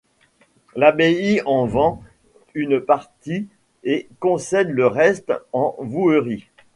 L'abbaye en vend une partie et concède le reste en vouerie.